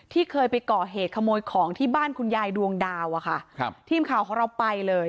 ที่เคยไปก่อเหตุขโมยของที่บ้านคุณยายดวงดาวอะค่ะครับทีมข่าวของเราไปเลย